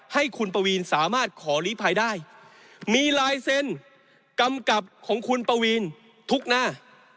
ให้คุณปวีนสามารถขอลีภัยได้มีลายเซ็นกำกับของคุณปวีนทุกหน้า